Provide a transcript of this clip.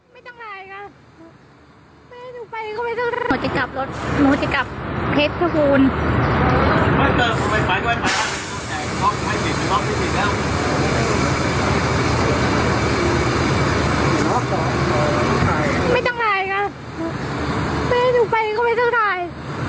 ไม่ให้หนูไปก็ไม่ต้องถ่าย